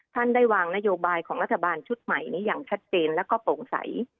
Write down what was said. ท่านได้วางนโยบายของรัฐบาลชุดใหม่นี้อย่างชัดเจนแล้วก็โปร่งใส